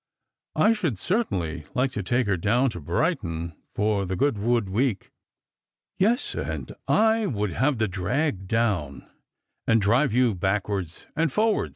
I should certainly hke to take her down to Brighton for the Goodwood week." " Yes, and I would have the drag down, and drive you back« wards and forwards."